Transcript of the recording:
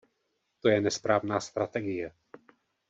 To je nesprávná strategie.